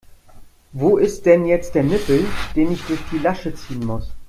Wo ist denn jetzt der Nippel, den ich durch die Lasche ziehen muss?